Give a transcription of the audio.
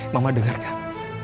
mama dengar kak